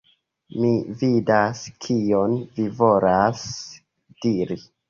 Mi vidas, kion vi volas diri.